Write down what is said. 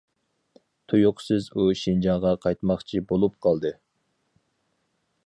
تۇيۇقسىز ئۇ شىنجاڭغا قايتماقچى بولۇپ قالدى.